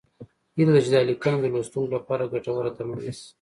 هیله ده چې دا لیکنه د لوستونکو لپاره ګټوره تمامه شي